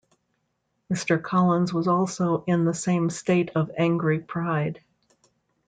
Mr. Collins was also in the same state of angry pride.